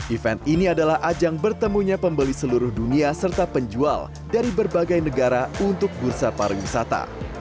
event ini adalah ajang bertemunya pembeli seluruh dunia serta penjual dari berbagai negara untuk bursa pariwisata